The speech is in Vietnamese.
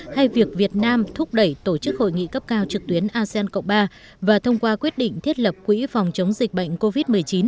hay việc việt nam thúc đẩy tổ chức hội nghị cấp cao trực tuyến asean cộng ba và thông qua quyết định thiết lập quỹ phòng chống dịch bệnh covid một mươi chín